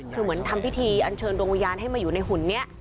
คือเหมือนทำพิธีอันเชิญดวงวิญญาณให้มาอยู่ในหุ่นนี้